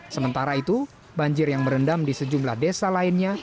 sementara itu banjir yang merendam di sejumlah desa lainnya